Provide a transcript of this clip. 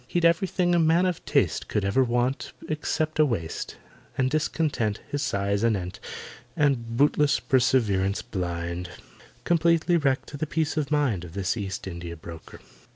He'd everything a man of taste Could ever want, except a waist; And discontent His size anent, And bootless perseverance blind, Completely wrecked the peace of mind Of this East India broker.